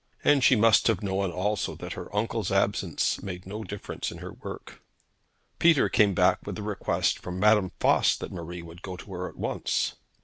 And she must have known also that her uncle's absence made no difference in her work. Peter came back with a request from Madame Voss that Marie would go to her at once.